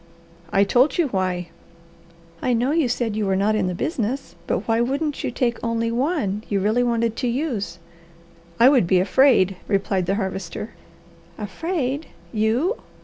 "I told you why." "I know you said you were not in the business, but why wouldn't you take only one you really wanted to use?" "I would be afraid," replied the Harvester. "Afraid? You!"